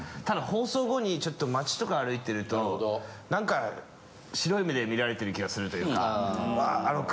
ただ放送後にちょっと街とか歩いているとなんか白い目で見られてる気がするというか「あ！